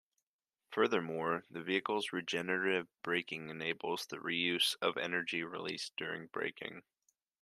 Furthermore, the vehicle's regenerative braking enables the reuse of energy released during braking.